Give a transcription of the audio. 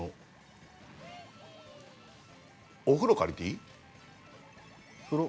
お風呂借りていい？風呂？